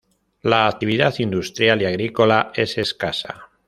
La actividad industrial y agrícola es escasa.